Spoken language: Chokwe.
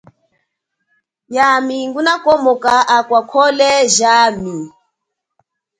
Yami nguna komoka akwakhole jami.